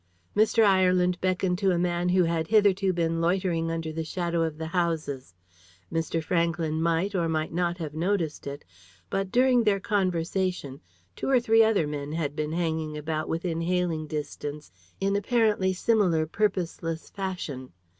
Mr. Ireland beckoned to a man who had hitherto been loitering under the shadow of the houses. Mr. Franklyn might or might not have noticed it, but during their conversation two or three other men had been hanging about within hailing distance in apparently similar purposeless fashion.